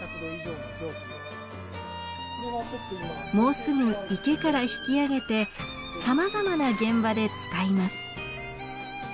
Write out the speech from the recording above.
もうすぐ池から引き揚げて様々な現場で使います。